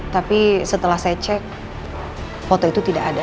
tapi setelah saya cek foto itu tidak ada